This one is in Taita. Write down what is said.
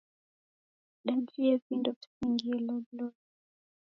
Dajie vindo visingie loliloli.